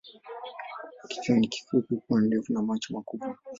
Kichwa ni kifupi, pua ndefu na macho makubwa.